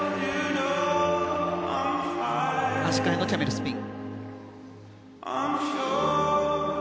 足換えのキャメルスピン。